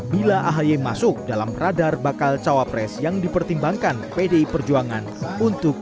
bila ahi masuk dalam radar bakal cawapres yang dipertimbangkan pdi perjuangan untuk